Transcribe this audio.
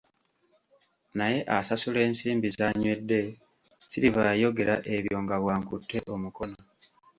Naye asasula ensimbi z'anywedde, Silver yayogera ebyo nga bw'ankutte omukono.